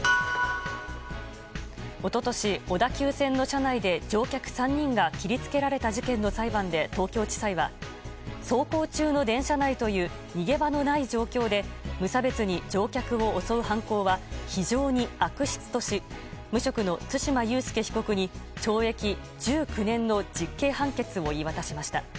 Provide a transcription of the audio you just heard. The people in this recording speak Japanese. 一昨年、小田急線の車内で乗客３人が切りつけられた事件の裁判で東京地裁は走行中の電車内という逃げ場のない状況で無差別に乗客を襲う犯行は非常に悪質とし無職の対馬悠介被告に懲役１９年の実刑判決を言い渡しました。